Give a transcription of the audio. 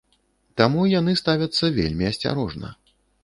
Таму яны ставяцца вельмі асцярожна.